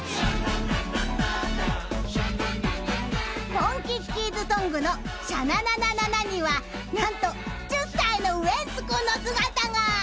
［ポンキッキーズソングの『シャナナナナナ』には何と１０歳のウエンツ君の姿が！］